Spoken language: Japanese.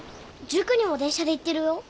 塾にも電車で行ってるよ。